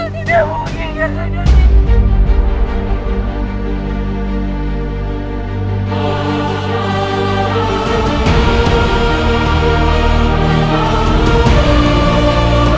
tidak mungkin kak rania